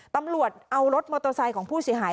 ตำรวจเอารถมอเตอร์ไซค์ของผู้เสียหาย